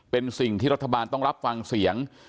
เป็นสิ่งที่รัฐบาลต้องรับฟังเสียง